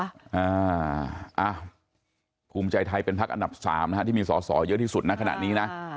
อ่าภูมิใจไทยเป็นภักด์อันดับ๓ที่มีสอสอเยอะที่สุดขนาดนี้นะ